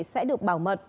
sẽ được bảo mật